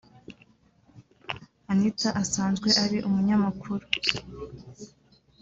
Anita asanzwe ari umunyamakuru